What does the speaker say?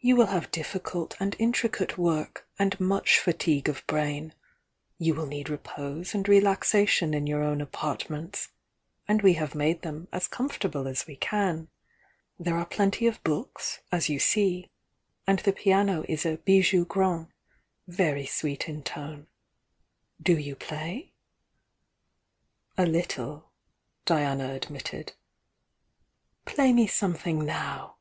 "You will have difficult and intricate work and much fatigue of brain ; you will need repose and relaxation in your own apartments, and we have made them as comfortable as we can. There are plenty of books, as you see, — and the piano is a 'bijou grand,' very sweet in tone. Do you play?" "A little," Diana admitted. "Play me something now!"